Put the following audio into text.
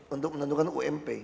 untuk menentukan ump